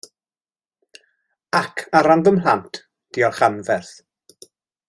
Ac, ar ran fy mhlant, diolch anferth.